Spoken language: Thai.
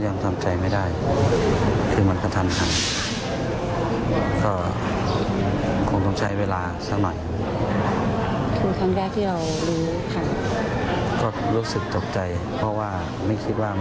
นี่แหละครับ